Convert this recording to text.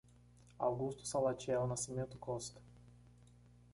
Augusto Salatiel Nascimento Costa